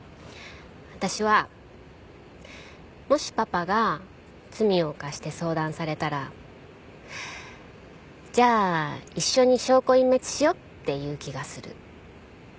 私はもしパパが罪を犯して相談されたら「じゃあ一緒に証拠隠滅しよう」って言う気がする。